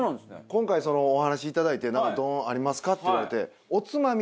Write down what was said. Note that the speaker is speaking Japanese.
今回お話いただいて「なんか丼ありますか？」って言われて。